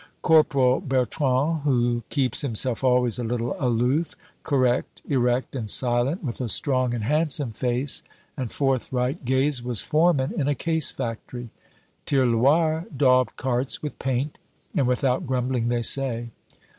Corporal Bertrand, who keeps himself always a little aloof, correct, erect, and silent, with a strong and handsome face and forthright gaze, was foreman in a case factory. Tirloir daubed carts with paint and without grumbling, they say.